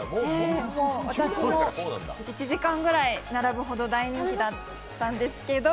私も１時間ぐらい並ぶほど大人気だったんですけど